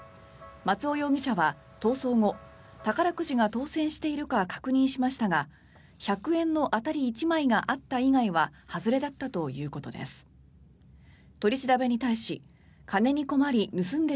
松尾容疑者は、逃走後宝くじが当選しているか確認しましたが１００円の当たり１枚があった以外は外れだったということです。